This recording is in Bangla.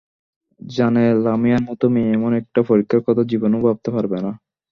জানে, লামিয়ার মতো মেয়ে এমন একটা পরীক্ষার কথা জীবনেও ভাবতে পারবে না।